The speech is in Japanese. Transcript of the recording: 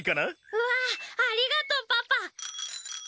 うわぁありがとうパパ！